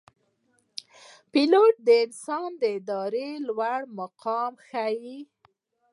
پیلوټ د انسان د ارادې لوړ مقام ښيي.